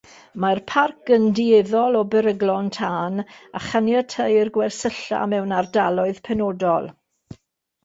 Mae'r parc yn dueddol o beryglon tân, a chaniateir gwersylla mewn ardaloedd penodol.